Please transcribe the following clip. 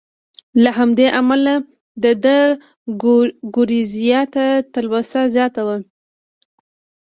له همدې امله د ده ګورېزیا ته تلوسه زیاته وه.